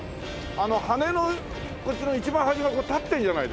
あの羽の一番端が立ってるじゃないですか。